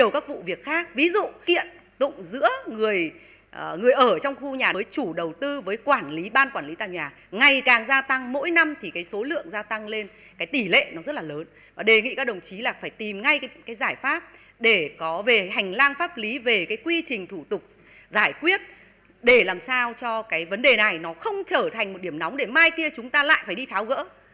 chúng ta sẽ tìm ngay cái giải pháp để có về hành lang pháp lý về cái quy trình thủ tục giải quyết để làm sao cho cái vấn đề này nó không trở thành một điểm nóng để mai kia chúng ta lại phải đi tháo gỡ